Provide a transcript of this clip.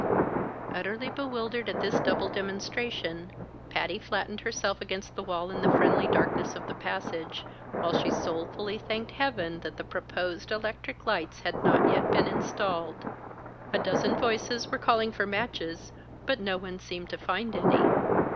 Utterly bewildered at this double demonstration, Patty flattened herself against the wall in the friendly darkness of the passage, while she soulfully thanked Heaven that the proposed electric lights had not yet been installed. A dozen voices were calling for matches, but no one seemed to find any.